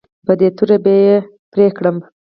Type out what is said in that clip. په دې توره به یې غوڅه کړم.